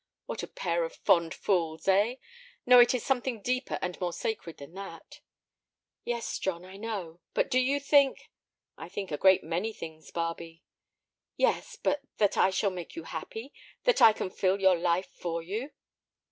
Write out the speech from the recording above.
What a pair of fond fools, eh! No, it is something deeper and more sacred than that." "Yes, John, I know. But do you think—" "I think a great many things, Barbe." "Yes; but that I shall make you happy, that I can fill your life for you?"